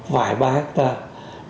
vài ba hectare